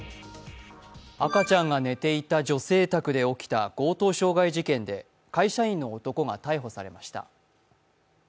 赤ちゃんが寝ていた女性宅で起きた強盗傷害事件で、会社員の男が逮捕されました。